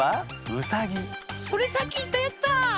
それさっき言ったやつだ。